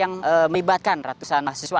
yang melibatkan ratusan mahasiswa